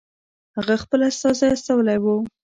هغه خپل استازی استولی وو.